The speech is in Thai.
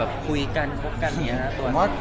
ไม่ใช่ครับ